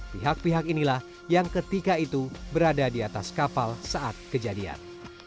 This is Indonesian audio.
pihak pihak inilah yang ketika itu berada di atas kapal saat kejadian